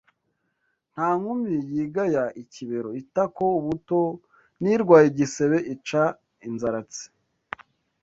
Nta nkumi yigaya ikibero (itako, ubuto), n'irwaye igisebe ica inzaratsi